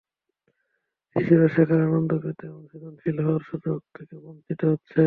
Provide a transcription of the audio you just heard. শিশুরা শেখার আনন্দ পেতে এবং সৃজনশীল হওয়ার সুযোগ থেকে বঞ্চিত হচ্ছে।